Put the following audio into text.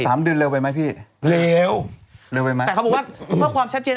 สามเดือนเร็วไปไหมพี่เร็วเร็วไปไหมแต่เขาบอกว่าเมื่อความชัดเจน